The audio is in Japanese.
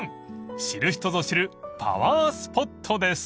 ［知る人ぞ知るパワースポットです］